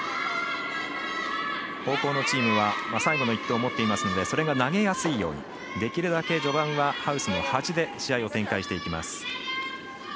後攻のチームは最後の１投を持っていますのでそれが投げやすいようにできるだけ序盤はハウスの端で試合を展開していきます。